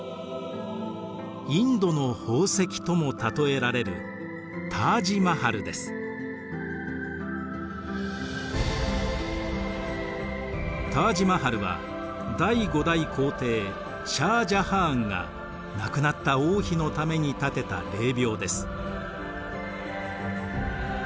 インドの宝石とも例えられるタージ・マハルは第５代皇帝シャー・ジャハーンが亡くなった王妃のために建てた霊びょうです。